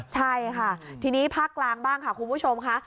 ใช่ค่ะทีนี้ภาคกลางบ้างค่ะคุณผู้ชมค่ะ